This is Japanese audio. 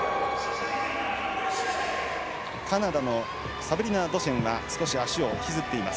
カナダのサブリナ・ドシェンは少し足を引きずっています。